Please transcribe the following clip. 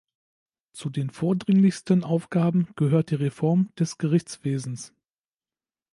Zu den vordringlichsten Aufgaben gehört die Reform des Gerichtswesens.